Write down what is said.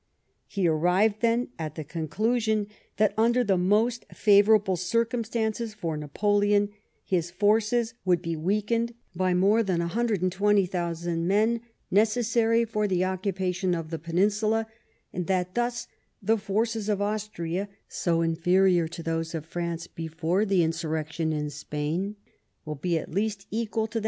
He arrived, then, at the conclusion that under the most favourable circumstances for Napoleon, his forces would be weakened by more than 120,000 men necessary for the occupation of the Peninsula ; and that, thus, " the forces of Austria, so inferior to those of France before the insurrection in Spain, will be at least equal to them after that event."